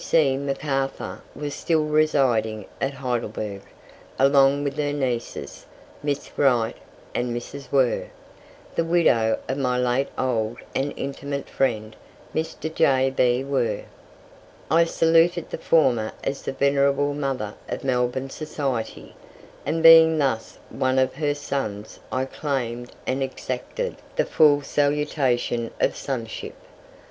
D.C. McArthur was still residing at Heidelberg along with her nieces, Miss Wright and Mrs. Were, the widow of my late old and intimate friend, Mr. J.B. Were. I saluted the former as the venerable mother of Melbourne society, and being thus one of her sons I claimed and exacted the full salutation of sonship.